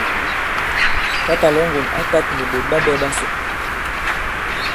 Tǎtà Lɔ̌ŋgòn ǎ tāt nì ɓòt ɓa ɓɛ̄ ɓasò.